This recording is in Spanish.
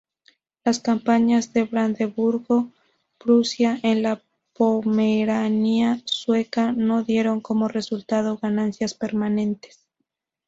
Las campañas de Brandeburgo-Prusia en la Pomerania sueca no dieron como resultado ganancias permanentes.